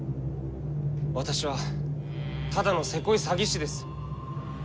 私はただのせこい詐欺師です。